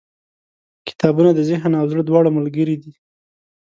• کتابونه د ذهن او زړه دواړو ملګري دي.